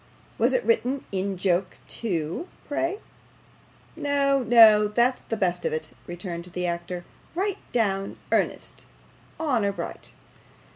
Was it written in joke, too, pray?' 'No, no, that's the best of it,' returned the actor; 'right down earnest honour bright.